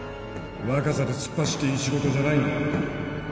若さで突っ走っていい仕事じゃないんだよ。